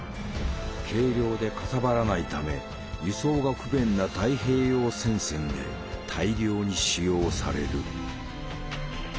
軽量でかさばらないため輸送が不便な太平洋戦線で大量に使用される。